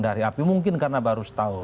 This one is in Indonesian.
dari api mungkin karena baru setahun